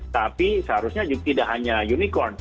tapi seharusnya tidak hanya unicorn